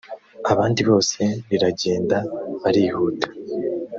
abandi bose riragenda barihuta